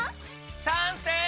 さんせい。